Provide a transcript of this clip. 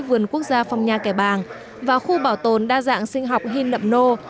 vườn quốc gia phòng nhà kẻ bàng và khu bảo tồn đa dạng sinh học hinh lập nô